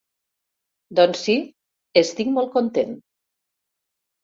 Doncs sí, estic molt content.